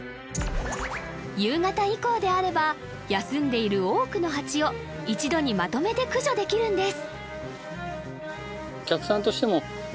夕方以降であれば休んでいる多くのハチを一度にまとめて駆除できるんです